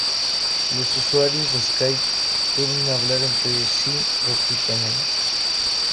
Los usuarios de Skype pueden hablar entre sí gratuitamente.